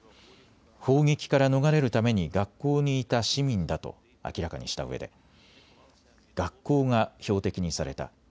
砲撃から逃れるために学校にいた市民だと明らかにしたうえで学校が標的にされた。